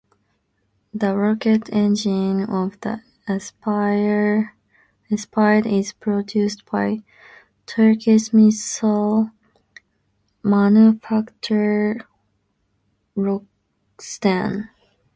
The rocket engine of the Aspide is produced by Turkish missile manufacturer Roketsan.